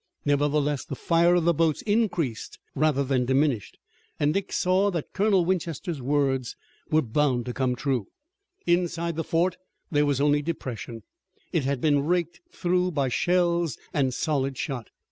Nevertheless, the fire of the boats increased rather than diminished, and Dick saw that Colonel Winchester's words were bound to come true. Inside the fort there was only depression. It had been raked through by shells and solid shot.